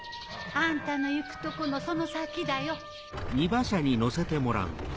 あんたの行くとこのその先だよ。